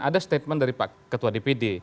ada statement dari pak ketua dpd